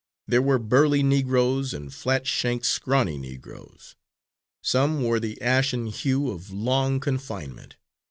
There were burly Negroes and flat shanked, scrawny Negroes. Some wore the ashen hue of long confinement.